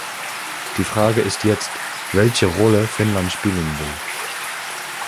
Die Frage ist jetzt, welche Rolle Finnland spielen will.